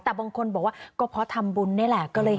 แต่บางคนบอกว่าก็เพราะทำบุญนี่แหละ